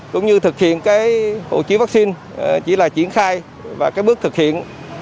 cũng như thực hiện cái hộ chiếu vaccine chỉ là triển khai và cái bước thực hiện